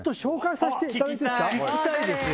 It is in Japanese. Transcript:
聞きたいですよ。